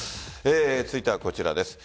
続いてはこちらです。